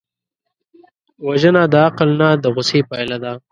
وژنه د عقل نه، د غصې پایله ده